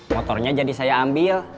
motornya jadi saya ambil